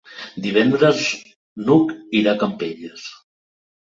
Divendres n'Hug irà a Campelles.